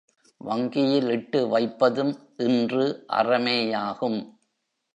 வங்கியில் இட்டு வைப்பதும் இன்று அறமேயாகும்.